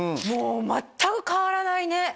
もう全く変わらないね